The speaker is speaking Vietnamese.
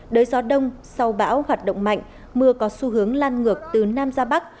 đới gió đông sau bão hoạt động mạnh mưa có xu hướng lan ngược từ nam ra bắc